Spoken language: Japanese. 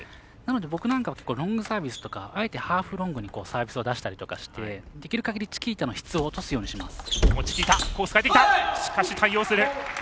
なので、僕なんかはロングサービスとかあえてハーフロングにサービスを出したりしてできるかぎりチキータの質を落とすようにします。